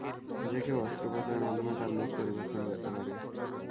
যে কেউ অস্ত্রোপচারের মাধ্যমে তার মুখ পরিবর্তন করতে পারে।